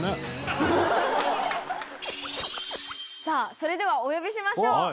さあそれではお呼びしましょう。